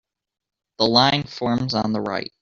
The line forms on the right.